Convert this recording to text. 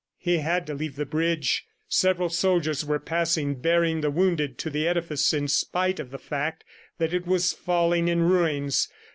He had to leave the bridge. Several soldiers were passing bearing the wounded to the edifice in spite of the fact that it was falling in ruins.